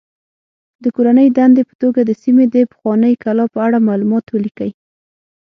د کورنۍ دندې په توګه د سیمې د پخوانۍ کلا په اړه معلومات ولیکئ.